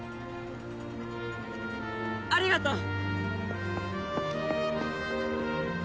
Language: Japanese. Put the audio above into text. ありがとう！